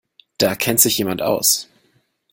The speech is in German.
Da kennt sich jemand aus.